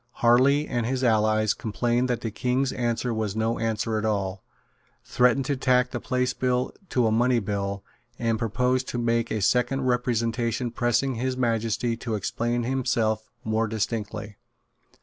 Harley and his allies complained that the King's answer was no answer at all, threatened to tack the Place Bill to a money bill, and proposed to make a second representation pressing His Majesty to explain himself more distinctly.